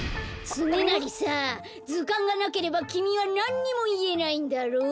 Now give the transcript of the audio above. つねなりさずかんがなければきみはなんにもいえないんだろう？